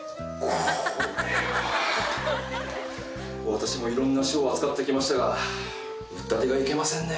私もいろんな書を扱ってきましたがうったてがいけませんね！